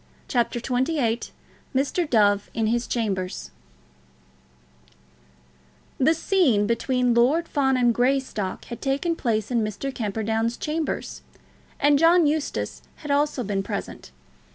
CHAPTER XXVIII Mr. Dove in His Chambers The scene between Lord Fawn and Greystock had taken place in Mr. Camperdown's chambers, and John Eustace had also been present.